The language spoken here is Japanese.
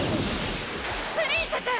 プリンセス！